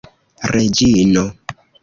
reĝino